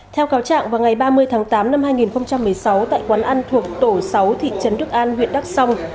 theo cáo trạng vào ngày ba mươi tháng tám năm hai nghìn một mươi sáu tại quán ăn thuộc tổ sáu thị trấn đức an huyện đắk song